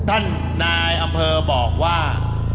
ท่านนายอำเภอบอกว่า